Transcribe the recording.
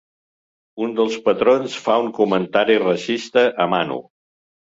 Un dels patrons fa un comentari racista a Manu.